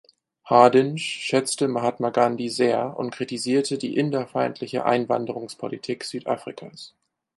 Hardinge schätzte Mahatma Gandhi sehr und kritisierte die Inder-feindliche Einwanderungspolitik Südafrikas.